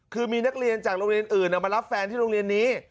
คือมีนักเรียนจากโรงเรียนอื่นมารับแฟนที่โรงเรียนนี้